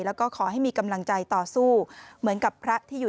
แล้วก็ขอให้มีกำลังใจต่อสู้เหมือนกับพระที่อยู่